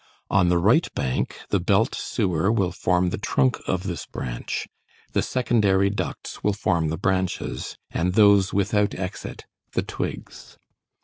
On the right bank, the belt sewer will form the trunk of this branch, the secondary ducts will form the branches, and those without exit the twigs.